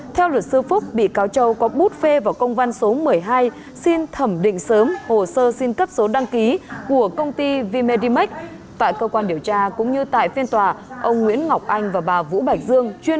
theo luật sư phúc bị cáo châu có bút phê vào công văn số một mươi hai xin thẩm định sớm hồ sơ xin cấp số đăng ký của công ty v medimax tại cơ quan điều tra cũng như tại phiên tòa ông nguyễn ngọc anh và bà vũ bạch dương